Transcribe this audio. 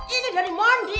ini dari mondi